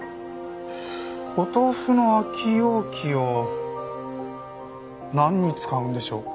お豆腐の空き容器をなんに使うんでしょう？